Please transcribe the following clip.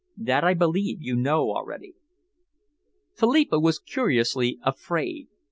That I believe you know already." Philippa was curiously afraid.